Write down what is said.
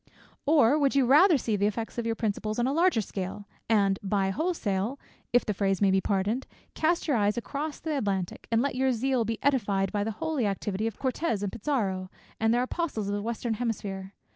Or would you rather see the effects of your principles on a larger scale, and by wholesale (if the phrase may be pardoned;) cast your eyes across the Atlantic, and let your zeal be edified by the holy activity of Cortez and Pizarro, and their apostles of the western hemisphere.